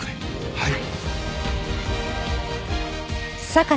はい？